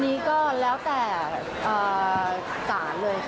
อันนี้ก็แล้วแต่ศาลเลยค่ะ